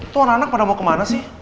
tuan anak pada mau kemana sih